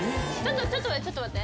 ちょっと待ってちょっと待って。